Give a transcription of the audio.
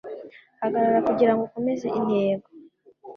hagarara kugirango ukomeze intego.